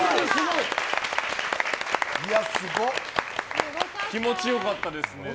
すごい！気持ちよかったですね。